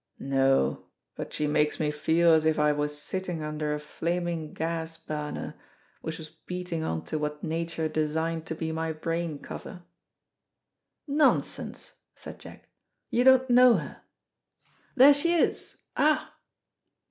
"No, but she makes me feel as if I was sitting under a flaming gas burner, which was beating on to what Nature designed to be my brain cover." "Nonsense," said Jack. "You don't know her. There she is. Ah!"